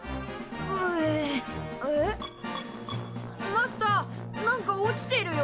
マスターなんか落ちてるよ。